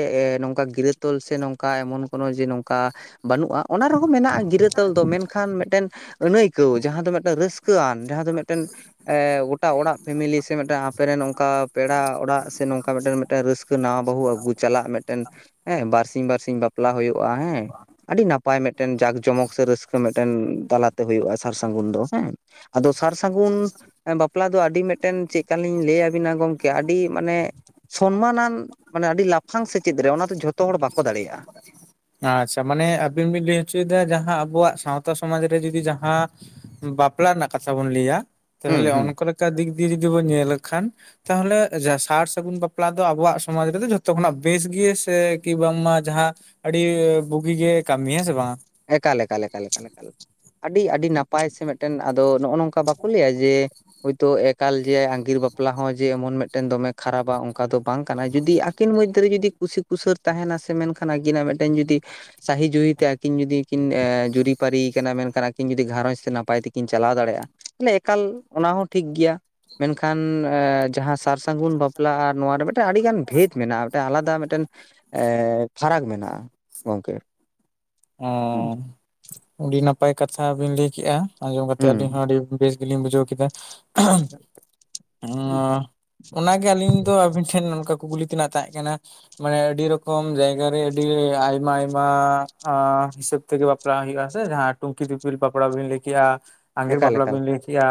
ᱱᱚᱝᱠᱟ ᱜᱤᱨᱟᱹ ᱛᱚᱞ ᱥᱮ ᱱᱚᱝᱠᱟ ᱮᱢᱚᱱ ᱠᱳᱱᱳ ᱡᱮ ᱱᱚᱝ ᱚᱝᱠᱟ ᱵᱟᱹᱱᱩᱜᱼᱟ ᱾ ᱚᱱᱟ ᱨᱮᱦᱚᱸ ᱢᱮᱱᱟᱜᱼᱟ ᱜᱤᱨᱟᱹ ᱛᱚᱞ ᱫᱚ ᱢᱮᱱᱠᱷᱟᱱ ᱢᱤᱫᱴᱮᱱ ᱟᱹᱱᱟᱹᱭ ᱠᱟᱹᱣ ᱡᱟᱦᱟᱸ ᱫᱚ ᱢᱤᱱᱴᱮᱱ ᱨᱟᱹᱥᱠᱟᱹᱣᱟᱱ ᱡᱟᱦᱟᱸ ᱫᱚ ᱢᱮᱱᱴᱮᱱ ᱮᱸ ᱜᱚᱴᱟ ᱚᱲᱟᱜ ᱯᱷᱮᱢᱮᱞᱤ ᱥᱮ ᱢᱤᱫᱴᱟᱝ ᱟᱯᱮᱨᱮ ᱨᱮᱱ ᱚᱱᱠᱟ ᱯᱮᱲᱟ ᱚᱲᱟᱜ ᱥᱮ ᱱᱚᱝᱠᱟ ᱢᱤᱫᱴᱮᱱ ᱨᱟᱹᱥ ᱥᱠᱟᱹ ᱱᱟᱶᱟ ᱵᱟᱹᱦᱩ ᱟᱹᱜᱩ ᱪᱟᱞᱟᱜ ᱢᱤᱫᱴᱮᱱ ᱦᱮᱸ ᱵᱟᱨᱥᱤ ᱵᱟᱨᱥᱤᱧ ᱵᱟᱯᱞᱟ ᱦᱳᱭᱳᱜᱼᱟ ᱦᱮᱸ᱾ ᱟᱹᱰᱤ ᱱᱟᱯᱟᱭ ᱢᱤᱫᱴᱮᱱ ᱡᱟᱸᱠ ᱡᱚᱢᱚᱠ ᱥᱮ ᱨᱟᱹᱥᱠᱟᱹ ᱢᱤᱫᱴᱮᱱ ᱛᱟᱞᱟᱛᱮ ᱦᱳᱭᱳᱜᱼᱟ ᱥᱟᱨ ᱥᱟᱹᱜᱩᱱ ᱫᱚ᱾ ᱦᱮᱸ ᱟᱫᱚ ᱥᱟᱨ ᱥᱟᱹᱜᱩᱱᱼᱼ ᱵᱟᱯᱞᱟ ᱫᱚ ᱟᱹᱰᱤ ᱢᱤᱫᱴᱮᱱ ᱪᱮᱫ ᱠᱟ ᱞᱤᱧ ᱞᱟᱹᱭ ᱟᱹᱵᱤᱱᱟ ᱜᱚᱝᱠᱮ, ᱟᱹᱰᱤ ᱢᱟᱱᱮ ᱥᱚᱱᱢᱟᱱ ᱱᱟᱱ ᱢᱟᱱᱮ ᱟᱹᱰᱤ ᱞᱟᱯᱷᱟᱝ ᱥᱮᱪᱮᱫ ᱨᱮ᱾ ᱚᱱᱟ ᱫᱚ ᱡᱷᱚᱛᱚ ᱦᱚᱲ ᱵᱟᱠᱚ ᱫᱟᱲᱮᱭᱟᱜᱼᱟ᱾ ᱟᱪᱪᱷᱟ ᱢᱟᱱᱮ ᱟᱹᱵᱤᱱ ᱵᱤᱱ ᱞᱟᱹᱭ ᱦᱚᱪᱚᱭᱮᱫᱟ, ᱡᱟᱦᱟᱸ ᱟᱵᱚᱣᱟᱜ ᱥᱟᱶᱛᱟ ᱥᱚᱢᱟᱡᱽ ᱨᱮ ᱡᱩᱫᱤ ᱡᱟᱦᱟᱸ ᱵᱟᱯᱞᱟ ᱨᱮᱱᱟᱜ ᱠᱟᱛᱷᱟ ᱵᱚᱱ ᱞᱟᱹᱭᱟ᱾ ᱦᱩᱸ ᱛᱟᱦᱞᱮ ᱦᱩᱸ ᱚᱱᱠᱟ ᱞᱮᱠᱟ ᱫᱤᱠ ᱫᱤᱭᱮ ᱡᱩᱫᱤ ᱵᱚᱱ ᱧᱮᱞ ᱞᱮᱠᱷᱟᱱ ᱛᱟᱦᱞᱮ ᱥᱟᱨ ᱥᱟᱹᱜᱩᱱ ᱵᱟᱯᱞᱟ ᱫᱚ ᱟᱵᱚᱣᱟᱜ ᱥᱚᱢᱟᱡᱽ ᱨᱮᱫᱚ ᱡᱷᱚᱛᱚ ᱠᱷᱚᱱᱟᱜ ᱵᱮᱥ ᱜᱤᱭᱟᱹ ᱥᱮᱼᱼ ᱠᱤ ᱵᱟᱝᱢᱟ ᱡᱟᱦᱟᱸ ᱟᱹᱰᱤ ᱵᱩᱜᱤ ᱜᱮ ᱠᱟᱹᱢᱤ ᱦᱮᱸ ᱥᱮ ᱵᱟᱝ? ᱮᱠᱟᱞ, ᱮᱠᱟᱞ, ᱮᱠᱟᱞ, ᱮᱠᱟᱞ᱾ ᱟᱹᱰᱤ, ᱟᱹᱰᱤ ᱱᱟᱯᱟᱭ ᱥᱮ ᱢᱤᱫᱴᱮᱱ ᱟᱫᱚ ᱱᱚᱜᱼᱚ ᱱᱚᱝᱠᱟ ᱵᱟᱠᱚ ᱞᱟᱹᱭᱟ ᱡᱮ ᱦᱳᱭᱛᱳ ᱮᱠᱟᱞ ᱡᱮ ᱟᱸᱜᱤᱨ ᱵᱟᱯᱞᱟ ᱦᱚᱸ ᱡᱮ ᱮᱢᱚᱱ ᱢᱤᱫᱴᱮᱱ ᱫᱚᱢᱮ ᱠᱷᱟᱨᱟᱯᱼᱟ᱾ ᱚᱱᱠᱟ ᱫᱚ ᱵᱟᱝ ᱠᱟᱱᱟ ᱡᱩᱫᱤᱼᱼ ᱟᱹᱠᱤᱱ ᱢᱚᱫᱽᱫᱷᱮ ᱨᱮ ᱡᱩᱫᱤ ᱠᱩᱥᱤ ᱠᱩᱥᱟᱹᱨ ᱛᱟᱦᱮᱱᱟ᱾ ᱥᱮ ᱢᱮᱱᱠᱷᱟᱱ ᱟᱹᱠᱤᱱᱟᱜ ᱢᱤᱫᱴᱮᱱ ᱡᱩᱫᱤ ᱥᱟᱦᱤ ᱡᱩᱦᱤ ᱛᱮ ᱟᱹᱠᱤᱱ ᱡᱩᱫᱤ ᱠᱤᱱ ᱡᱩᱨᱤᱯᱟᱹᱨᱤᱭ ᱠᱟᱱᱟ᱾ ᱢᱮᱱᱠᱷᱟᱱ ᱟᱹᱠᱤᱱ ᱡᱩᱫᱤ ᱜᱷᱟᱨᱚᱸᱡᱽ ᱛᱮ ᱱᱟᱯᱟᱭ ᱛᱮᱠᱤᱱ ᱪᱟᱞᱟᱣ ᱫᱟᱲᱮᱭᱟᱜᱼᱟ᱾ ᱛᱟᱦᱚᱞᱮ ᱮᱠᱟᱞ ᱚᱱᱟ ᱦᱚᱸ ᱴᱷᱤᱠ ᱜᱮᱭᱟ᱾ ᱢᱮᱱᱠᱷᱟᱱ ᱡᱟᱦᱟᱸ ᱥᱟᱨ ᱥᱟᱹᱜᱩᱱ ᱵᱟᱯᱞᱟ ᱟᱨ ᱱᱚᱣᱟ ᱨᱮ ᱢᱮᱫᱼᱼ ᱟᱹᱰᱤ ᱜᱟᱱ ᱵᱷᱮᱫ ᱢᱮᱱᱟᱜᱼᱟ ᱾ᱢᱤᱫ ᱟᱞᱟᱫᱟ ᱢᱤᱫᱴᱮᱱ ᱯᱷᱟᱨᱟᱠ ᱢᱮᱱᱟᱜᱼᱟ᱾ ᱜᱚᱝᱠᱮ ᱚ ᱟᱹᱰᱤ ᱱᱟᱯᱟᱭ ᱠᱟᱛᱷᱟ ᱵᱤᱱ ᱞᱟᱹᱭ ᱠᱮᱜᱼᱟ᱾ ᱟᱸᱡᱚᱢ ᱠᱟᱛᱮ ᱟᱹᱞᱤᱧ ᱦᱩᱸ ᱦᱚᱸ ᱟᱹᱰᱤ ᱵᱮᱥ ᱵᱩᱡᱷᱟᱹᱣ ᱠᱮᱫᱟ᱾ ᱟᱸ ᱚᱱᱟᱜᱮ ᱟᱹᱞᱤᱧ ᱫᱚ ᱟᱵᱤᱱ ᱴᱷᱮᱱ ᱚᱝᱠᱟ ᱠᱩᱠᱞᱤ ᱛᱮᱱᱟᱜ ᱛᱟᱦᱮᱸ ᱠᱟᱱᱟ᱾ ᱢᱟᱱᱮ ᱟᱹᱰᱤ ᱨᱚᱠᱚᱢ ᱡᱟᱸᱭᱜᱟ ᱟᱹᱰᱤ ᱟᱭᱢᱟ ᱟᱭᱢᱟ ᱟᱸ ᱦᱤᱥᱟᱹᱵ ᱛᱮᱜᱮ ᱵᱟᱯᱞᱟ ᱦᱩᱭᱩᱜᱼᱟ ᱥᱮ ᱡᱟᱦᱟᱸ ᱴᱩᱱᱠᱤ ᱫᱤᱯᱤᱞ ᱵᱟᱯᱞᱟ ᱵᱤᱱ ᱞᱟᱹᱭ ᱠᱮᱜᱼᱟ᱾ ᱟᱸᱜᱤᱨ ᱮᱠᱟᱞ ᱵᱟᱯᱞᱟ ᱮᱠᱟᱞ ᱵᱤᱱ ᱞᱟᱹᱭ ᱠᱮᱜᱼᱟ᱾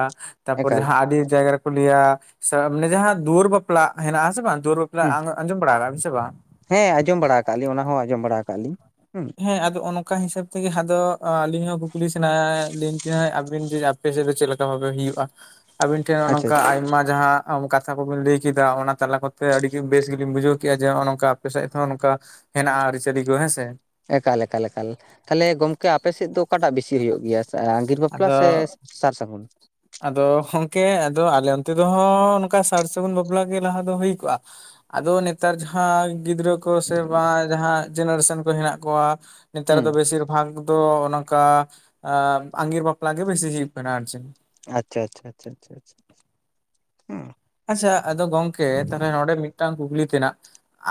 ᱛᱟᱨᱯᱚᱨ ᱮᱠᱟᱞ ᱡᱟᱦᱟᱸ ᱟᱹᱰᱤ ᱡᱟᱭᱜᱟᱨᱮ ᱠᱩ ᱞᱤᱭᱟ ᱥᱮ ᱢᱟᱱᱮ ᱡᱟᱦᱟᱸ ᱫᱩᱣᱟᱹᱨ ᱵᱟᱯᱞᱟ ᱦᱮᱱᱟᱜ ᱟᱥᱮ ᱵᱟᱝ᱾ ᱫᱩᱣᱟᱹᱨ ᱵᱟᱯᱞᱟ ᱦᱩᱸ ᱟᱸᱡᱚᱢ ᱵᱟᱲᱟ ᱟᱠᱟᱜᱼᱟ ᱵᱤᱱ ᱥᱮ ᱵᱟᱝ? ᱦᱮᱸ ᱟᱸᱡᱚᱢ ᱵᱟᱲᱟ ᱟᱠᱟᱜ ᱞᱤᱧ᱾ ᱚᱱᱟ ᱦᱚᱸ ᱟᱸᱡᱚᱢ ᱵᱟᱲᱟ ᱟᱠᱟᱜ ᱞᱤᱧ ᱦᱩᱸ ᱾ ᱦᱮᱸ ᱟᱫᱚ ᱚᱱᱠᱟ ᱦᱤᱥᱟᱹᱵ ᱛᱮᱜᱮ, ᱟᱫᱚ ᱟᱹᱞᱤᱧ ᱦᱚᱸ ᱠᱩᱠᱞᱤ ᱥᱟᱱᱟᱭᱮᱫ ᱞᱤᱧ ᱛᱟᱦᱮᱸ ᱟᱵᱤᱱ ᱡᱮᱼᱼ ᱟᱯᱮ ᱥᱮᱫ ᱫᱚ ᱪᱮᱫ ᱞᱮᱠᱟ ᱵᱷᱟᱵᱮ ᱦᱩᱭᱩᱜᱼᱟ᱾ ᱟᱵᱤᱱ ᱴᱷᱮᱱ ᱟᱪᱪᱷᱟ ᱱᱚᱝᱠᱟ ᱟᱪᱪᱷᱟ ᱟᱭᱢᱟ ᱡᱟᱦᱟᱸ ᱟᱢ ᱠᱟᱛᱷᱟ ᱠᱚ ᱵᱤᱱ ᱞᱟᱹᱭ ᱠᱮᱫᱟ᱾ ᱚᱱᱟ ᱛᱟᱞᱟ ᱠᱚᱛᱮ ᱟᱹᱰᱤ ᱵᱮᱥ ᱜᱮᱞᱤᱧ ᱵᱩᱡᱷᱟᱹᱣ ᱠᱮᱫᱼᱟ ᱡᱮ ᱱᱚᱜᱼᱚ ᱱᱚᱝᱠᱟ ᱟᱯᱮ ᱥᱮᱫ ᱦᱚᱸ ᱱᱚᱝᱠᱟ᱾ ᱦᱮᱱᱟᱜᱼᱟ ᱾ ᱟᱹᱨᱤᱪᱟᱹᱞᱤ ᱠᱚ ᱦᱮᱸ ᱥᱮ᱾ ᱮᱠᱟᱞ ᱮᱠᱟᱞ ᱮᱠᱟᱞ᱾ ᱛᱟᱦᱞᱮ ᱜᱚᱝᱠᱮ ᱟᱯᱮ ᱥᱮᱫ ᱫᱚ ᱚᱠᱟᱴᱟᱜ ᱵᱮᱥᱤ ᱦᱩᱭᱩᱜ ᱜᱮᱭᱟ? ᱟᱸᱜᱤᱨ ᱵᱟᱯᱞᱟ ᱟᱫᱚ ᱥᱮ ᱥᱟᱨ ᱥᱟᱹᱜᱩᱱ᱾ ᱟᱫᱚ ᱜᱚᱝᱠᱮ ᱟᱫᱚ ᱟᱞᱮ ᱚᱱᱛᱮ ᱫᱚ ᱱᱚᱝᱠᱟ ᱥᱟᱨ ᱥᱟᱹᱜᱩᱱ ᱵᱟᱯᱞᱟ ᱜᱮ ᱞᱟᱦᱟ ᱫᱚ ᱦᱳᱭ ᱠᱚᱜᱼᱟ᱾ ᱟᱫᱚ ᱱᱮᱛᱼᱼ ᱱᱮᱛᱟᱨ ᱡᱟᱦᱟᱸ ᱜᱤᱫᱽᱨᱟᱹ ᱠᱚ ᱥᱮ ᱵᱟᱝ ᱡᱟᱦᱟᱸ ᱡᱮᱱᱟᱨᱮᱥᱚᱱ ᱠᱚ ᱦᱮᱱᱟᱜ ᱠᱚᱣᱟ᱾ ᱱᱮᱛᱟᱨ ᱦᱩᱸ ᱫᱚ ᱵᱮᱥᱤᱨ ᱵᱷᱟᱜᱽ ᱫᱚ᱾ ᱚᱱᱠᱟ ᱟᱹᱜᱤᱨ ᱵᱟᱯᱞᱟ ᱜᱮ ᱵᱮᱥᱤ ᱦᱩᱭᱩᱜ ᱠᱟᱱᱟ ᱟᱨ ᱪᱮᱫ᱾ ᱟᱪᱪᱷᱟ, ᱟᱪᱪᱷᱟ, ᱟᱪᱪᱷᱟ, ᱟᱪᱪᱷᱟ, ᱟᱪᱪᱷᱟ ᱦᱩᱸ᱾ ᱟᱪᱪᱷᱟ ᱟᱫᱚ ᱜᱚᱝᱠᱮ, ᱛᱟᱦᱚᱞᱮ ᱱᱚᱸᱰᱮ ᱢᱤᱫᱴᱟᱝ ᱠᱩᱠᱞᱤ ᱛᱮᱱᱟᱜ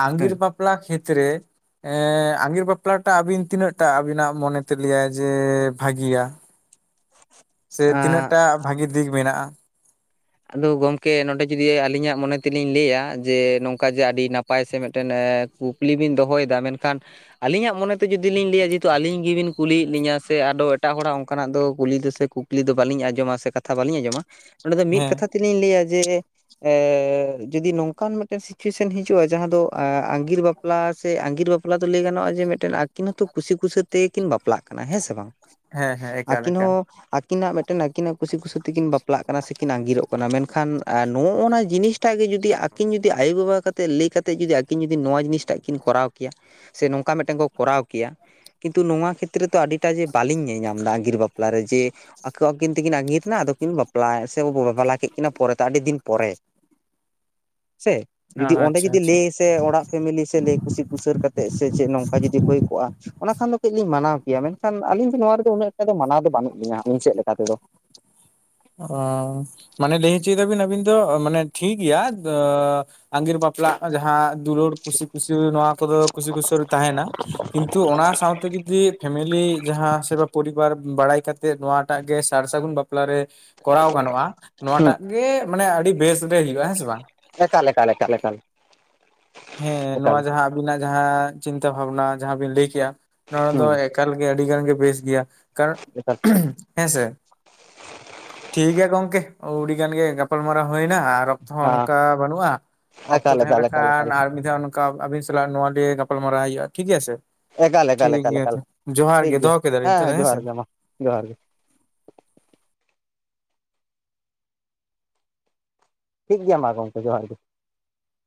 ᱾ᱟᱜᱤᱨ ᱦᱮᱸ ᱵᱟᱯᱞᱟ ᱠᱷᱮᱛᱨᱮ ᱮᱸ ᱟᱸᱜᱤᱨ ᱵᱟᱯᱞᱟᱴᱟᱜ ᱟᱵᱤᱱ ᱛᱤᱱᱟᱹᱜ ᱴᱟ ᱟᱵᱤᱱᱟᱜ ᱢᱚᱱᱮᱛᱮ ᱞᱟᱹᱭᱟᱭ ᱡᱮ ᱵᱷᱟᱹᱜᱤᱭᱟ? ᱥᱮ ᱟᱨ ᱛᱤᱱᱟᱹᱜ ᱴᱟ ᱵᱷᱟᱜᱤ ᱫᱤᱠ ᱢᱮᱱᱟᱜᱼᱟ᱾ ᱟᱫᱚ ᱜᱚᱝᱠᱮ, ᱱᱚᱸᱰᱮ ᱡᱩᱫᱤ ᱟᱹᱞᱤᱧᱟᱜ ᱢᱚᱱᱮ ᱛᱮᱞᱤᱧ ᱞᱮᱭᱼᱟ᱾ ᱡᱮ ᱱᱚᱝᱠᱟ ᱡᱮ ᱟᱹᱰᱤ ᱱᱟᱯᱼᱼ ᱱᱟᱯᱟᱭ ᱥᱮ ᱢᱤᱫᱴᱮᱱ ᱠᱩᱠᱞᱤ ᱵᱤᱱ ᱫᱚᱦᱚᱭ ᱮᱫᱟ ᱾ ᱢᱮᱱᱠᱷᱟᱱ ᱟᱹᱞᱤᱧᱟᱜ ᱢᱚᱱᱮᱛᱮ ᱡᱩᱫᱤ ᱞᱤᱧ ᱞᱟᱹᱭᱟ ᱡᱮᱦᱮᱛᱩ ᱟᱞᱤᱧ ᱜᱮ ᱵᱤᱱ ᱠᱩᱞᱤᱭᱮᱫ ᱞᱤᱧᱟᱹ ᱥᱮ ᱟᱫᱚ ᱮᱴᱟᱜ ᱦᱚᱲᱟᱜ ᱚᱱᱠᱟᱱᱟᱜ ᱫᱚ ᱠᱩᱞᱤ ᱛᱮ ᱥᱮ ᱠᱩᱠᱼᱼ ᱠᱩᱠᱞᱤ ᱫᱚ ᱵᱟᱞᱤᱧ ᱟᱸᱡᱚᱢᱼᱟ ᱥᱮ ᱠᱟᱛᱷᱟ ᱵᱟᱞᱤᱧ ᱟᱸᱡᱚᱢᱟ᱾ ᱚᱸᱰᱮ ᱫᱚ ᱢᱤᱫ ᱦᱮᱸ ᱠᱟᱛᱷᱟ ᱛᱮᱞᱤᱧ ᱞᱟᱹᱭᱼᱟ ᱡᱮ ᱮ ᱡᱩᱫᱤ ᱱᱚᱝᱠᱟᱱ ᱢᱤᱫᱴᱮᱱ ᱥᱤᱪᱩᱭᱮᱥᱮᱱ ᱦᱤᱡᱩᱜ-ᱟ ᱡᱟᱦᱟᱸ ᱫᱚ ᱟ ᱟᱸᱜᱤᱨ ᱵᱟᱯ ᱯᱞᱟ ᱥᱮ ᱟᱸᱜᱤᱨ ᱵᱟᱯᱞᱟ ᱫᱚ ᱞᱟᱹᱭ ᱜᱟᱱᱚᱜ-ᱟ ᱡᱮ ᱢᱤᱫᱴᱮᱱ ᱟᱹᱠᱤᱱ ᱦᱚᱸᱛᱚ ᱠᱩᱥᱤ ᱠᱩᱥᱤ ᱛᱮᱜᱠᱤᱱ ᱵᱟᱯᱞᱟᱜ ᱠᱟᱱᱟ ᱾ ᱦᱮᱸ ᱥᱮ ᱵᱟᱝ? ᱦᱮᱸ ᱦᱮᱸ ᱮᱠᱟᱞ ᱟᱹᱠᱤᱱ ᱮᱠᱟᱞ ᱦᱚᱸ ᱟᱹᱠᱤᱱᱟᱜ ᱢᱮᱜᱴᱮᱱ ᱟᱹᱠᱤᱱᱟᱜ ᱠᱩᱥᱤ ᱠᱩᱥᱤ ᱛᱮᱠᱤᱱ ᱵᱟᱯᱞᱟᱜ ᱠᱟᱱᱟ ᱥᱮ ᱠᱤᱱ ᱟᱸᱜᱤᱨᱚᱜ ᱠᱷᱟᱱ ᱟ ᱱᱚᱜ-ᱚᱱᱟ ᱡᱤᱱᱤᱥᱴᱟᱜ ᱜᱮ ᱡᱩᱫᱤ ᱟᱹᱠᱤᱱ ᱡᱩᱫᱤ ᱟᱭᱳᱵᱟᱵᱟ ᱠᱟᱛᱮᱫ ᱞᱟᱹᱭ ᱠᱟᱛᱮ ᱡᱩᱫᱤ ᱟᱹᱠᱤ ᱠᱤᱱ ᱡᱩᱫᱤ ᱱᱚᱣᱟ ᱡᱤᱱᱤᱥ ᱴᱟᱜ ᱠᱤᱱ ᱠᱚᱨᱟᱣ ᱠᱮᱭᱟ ᱥᱮ ᱱᱚᱝᱠᱟ ᱢᱮᱫᱴᱮᱱ ᱠᱚ ᱠᱚᱨᱟᱣ ᱠᱮᱭᱟ᱾ ᱠᱤᱱᱛᱩ ᱱᱚᱣᱟ ᱠᱷᱮᱛᱨᱮ ᱫᱚ ᱟᱹᱰᱤᱴᱟ ᱡᱮ ᱵᱟᱞᱤᱧ ᱧᱮᱧᱟᱢ ᱫᱟ ᱟᱸᱜᱤᱨ ᱵᱟᱯ ᱯᱞᱟ ᱨᱮ ᱡᱮ ᱟᱠᱚ ᱟᱹᱠᱤᱱ ᱛᱤᱠᱤᱱ ᱟᱸᱜᱤᱨᱱᱟ ᱟᱫᱚᱠᱤᱱ ᱵᱟᱯᱞᱟ ᱥᱮ ᱟᱵᱚ ᱵᱚ ᱵᱟᱯᱞᱟ ᱠᱮᱜ-ᱠᱤᱱᱟ ᱯᱚᱨᱮ ᱛᱮ, ᱟᱹᱰᱤ ᱫᱤᱱ ᱯᱚᱨᱮ᱾ ᱥᱮ? ᱡᱩᱫᱤ ᱚᱸᱰᱮ ᱟᱪᱪᱷᱟ ᱡᱩᱫᱤ ᱟᱪᱪᱷᱟ ᱞᱟᱹᱭ ᱥ ᱛᱮ ᱚᱲᱟᱜ ᱯᱷᱮᱢᱮᱞᱤ ᱥᱮ ᱞᱟᱹᱭ ᱠᱩᱥᱤ ᱠᱩᱥᱟᱹᱨ ᱠᱟᱛᱮᱫ ᱥᱮ ᱪᱮᱫ ᱱᱚᱝᱠᱟ ᱡᱩᱫᱤ ᱦᱳᱭ ᱠᱚᱜ-ᱟ ᱚᱱᱟ ᱠᱷᱟᱱ ᱫᱚ ᱠᱟᱹᱡ ᱞᱤᱧ ᱢᱟᱱᱟᱣ ᱠᱮᱭᱟ᱾ ᱢᱮᱱᱠᱷᱟᱱ ᱟᱹᱞᱤᱧ ᱫᱚ ᱱᱚᱣᱟ ᱨᱮᱫᱚ ᱩᱱᱟᱹᱜ ᱮᱠᱴᱟ ᱫᱚ ᱢᱟᱱᱟᱣ ᱫᱚ ᱵᱟᱹᱱᱩᱜ ᱞᱤᱧᱟᱹ᱾ ᱟᱹᱞᱤᱧ ᱥᱮᱫ ᱞᱮᱠᱟ ᱛᱮᱫᱚ᱾ [unintelligible] ᱢᱟᱱᱮ ᱞᱟᱹᱭ ᱦᱚᱪᱚᱭ ᱫᱟᱵᱤᱱ ᱟᱹᱵᱤᱱ ᱫᱚ ᱢᱟᱱᱮ ᱴᱷᱤᱜ ᱜᱮᱭᱟ ᱫᱚᱻ ᱟᱸᱜᱤᱨ ᱵᱟᱯᱞᱟᱜ ᱡᱟᱦᱟᱸ ᱫᱩᱞᱳᱲ ᱠᱩᱥᱤ ᱠᱩᱥᱟ ᱱᱚᱣᱟ ᱠᱚᱫᱚ ᱠᱩᱥᱤ ᱠᱩᱥᱟᱹᱞ ᱛᱟᱦᱮᱱᱟ ᱠᱤᱱᱛᱩ ᱚᱱᱟ ᱥᱟᱶᱛᱮ ᱡᱩᱫᱤ ᱯᱷᱮᱢᱮᱞᱤ ᱡᱟᱦᱟᱸ ᱥᱮ ᱵᱟ ᱯᱚᱨᱤᱵᱟᱨ ᱵᱟᱲᱟᱭ ᱠᱟᱛᱮᱫ ᱱᱚᱣᱟᱴᱟᱜ ᱜᱮ ᱥᱟᱨ-ᱥᱟᱹᱜᱩᱱ ᱵᱟᱯᱞᱟ ᱨᱮ ᱠᱚᱨᱟᱣ ᱜᱟᱱᱚᱜ-ᱟ᱾ ᱦᱩᱸ ᱱᱚᱣᱟᱴᱟᱜ ᱜᱮ ᱢᱟᱱᱮ ᱟᱹᱰᱤ ᱵᱮᱥ ᱵᱮ ᱦᱩᱭᱩᱜ-ᱟ ᱦᱮᱸ ᱥᱮ ᱵᱟᱝ? ᱮᱠᱟᱞ ᱮᱠᱟᱞ ᱮᱠᱟᱞ ᱮᱠᱟᱞ᱾ ᱦᱮᱸ ᱮᱠᱟᱞ ᱱᱚᱣᱟ ᱡᱟᱦᱟᱸ ᱟᱵᱤᱱᱟᱜ ᱡᱟᱦᱟᱸ ᱪᱤᱱᱛᱟᱹ ᱵᱷᱟᱵᱱᱟ ᱡᱟᱦᱟᱸ ᱵᱤᱱ ᱞᱟᱹᱭ ᱠᱮᱜ-ᱟ, ᱱᱚᱣᱟ ᱫᱚ ᱦᱩᱸ ᱮᱠ ᱮᱠᱟᱞ ᱜᱮ ᱟᱹᱰᱤ ᱜᱟᱱ ᱜᱮ ᱵᱮᱥ ᱜᱮᱭᱟ ᱠᱟᱨᱚᱱ [inaudible] ᱦᱮᱸᱥᱮ? ᱴᱷᱤᱠ ᱜᱮᱭᱟ ᱜᱚᱝᱠᱮ ᱳᱣᱰᱤ ᱜᱟᱱ ᱜᱮ ᱜᱟᱯᱟᱞᱢᱟᱨᱟᱣ ᱦᱳᱭᱱᱟ ᱟᱨ ᱨᱚᱠᱛᱚ ᱦᱚᱸ ᱦᱮᱸ ᱚᱱᱠᱟ ᱵᱟᱹᱱᱩᱜ-ᱟ ᱚᱠᱛᱚ ᱮᱠᱟᱞ ᱛᱟᱦᱮᱸ ᱮᱠᱟᱞ ᱮᱠᱟᱞ ᱞᱮᱠᱷᱟᱱ ᱮᱠᱟᱞ ᱟᱨ ᱢᱤᱫ ᱫᱷᱟᱣ ᱱᱚᱠᱟ ᱟᱵᱤᱱ ᱥᱟᱞᱟᱜ ᱱᱚᱣᱟ ᱞᱤᱭᱮ ᱜᱟᱯᱟᱞᱢᱟᱨᱟᱣ ᱦᱩᱭᱩᱜ-ᱟ, ᱴᱷᱤᱠ ᱜᱮᱭᱟ ᱥᱮ? ᱮᱠᱟᱞ ᱴᱷᱤᱠ ᱮᱠᱟᱞ ᱮᱠᱟᱞ ᱜᱮᱭᱟ ᱮᱠᱟᱞ ᱛᱚ ᱡᱚᱦᱟᱨ ᱴᱷᱤᱠ ᱜᱮ ᱜᱮᱭᱟ, ᱫᱚᱦᱚ ᱠᱮᱫᱟᱞᱤᱧ ᱦᱮᱸ ᱛᱟᱦᱚᱞᱮ ᱦᱮᱸ ᱥᱮ ᱡᱚᱦᱟᱨ ᱜᱮ ᱢᱟ ᱡᱚᱦᱟᱨ ᱜᱮ᱾ ᱴᱷᱤᱠ ᱜᱮᱭᱟ ᱢᱟ ᱜᱚᱢᱠᱮ ᱡᱚᱦᱟᱨ ᱜᱮ᱾